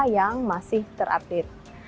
yang masih terupdate